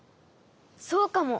そうかも。